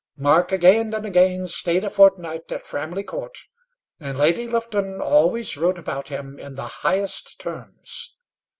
Mark again and again stayed a fortnight at Framley Court, and Lady Lufton always wrote about him in the highest terms.